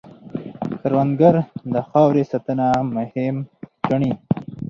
کروندګر د خاورې ساتنه مهم ګڼي